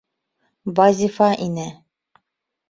Вазифа инә.